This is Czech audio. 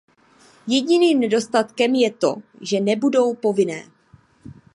Jediným nedostatkem je to, že nebudou povinné.